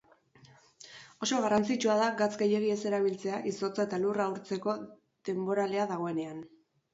Oso garrantzitsua da gatz gehiegi ez erabiltzea izotza eta elurra urtzeko denboralea dagoenean.